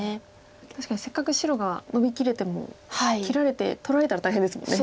確かにせっかく白がノビきれても切られて取られたら大変ですもんね。